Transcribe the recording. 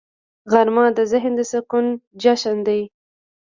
غرمه د ذهن د سکون جشن دی